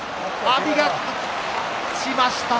阿炎が勝ちました。